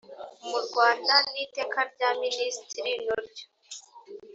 mu rwanda n iteka rya minisitiri no ryo